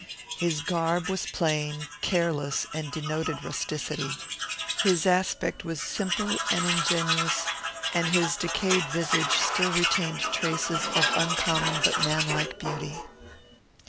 His garb was plain, careless, and denoted rusticity. His aspect was simple and ingenuous, and his decayed visage still retained traces of uncommon but manlike beauty.